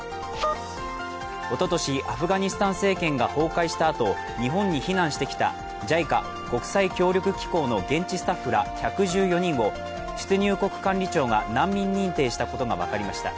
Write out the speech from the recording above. おととし、アフガニスタン政権が崩壊したあと、日本に避難してきたＪＩＣＡ＝国際協力機構の現地スタッフら１１４人を出入国管理庁が難民認定したことが分かりました。